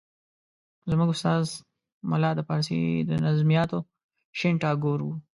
زموږ استاد ملا د فارسي د نظمیاتو شین ټاګور وو.